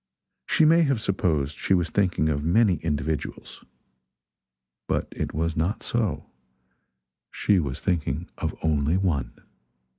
She may have supposed she was thinking of many individuals, but it was not so she was thinking of only one.